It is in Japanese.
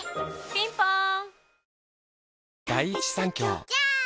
ピンポーン